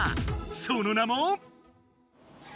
その名も？